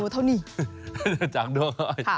ตัวเท่านี่จากด้วงอ้อยข้า